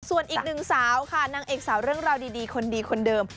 ส่วนอีกหนึ่งสาวค่ะนางเอกสาวเรื่องราวดีคนดีคนเดิม